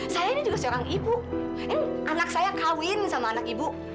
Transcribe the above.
saya ini juga seorang ibu anak saya kawin sama anak ibu